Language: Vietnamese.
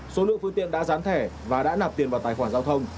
số lượng phương tiện đã gián thẻ và đã nạp tiền vào tài khoản giao thông